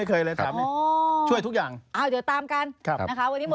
เอาจริงเหรออาจารย์